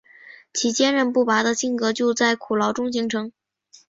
其坚忍不拔的性格就在苦牢中形成。